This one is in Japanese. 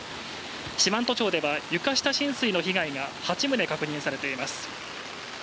四万十町では床下浸水の被害が８棟観測されています。